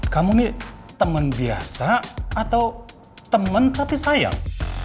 kamu nih temen biasa atau temen tapi sayang